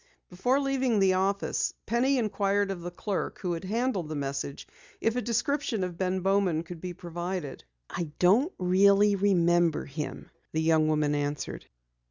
Before leaving the office, Penny inquired of the clerk who had handled the message if a description of Ben Bowman could be provided. "I really don't remember him," the young woman answered.